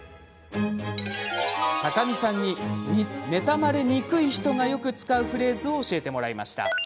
高見さんに、妬まれにくい人がよく使うフレーズを教えてもらいました。